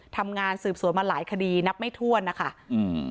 ทำงานสืบสวนมาหลายคดีนับไม่ถ้วนนะคะอืม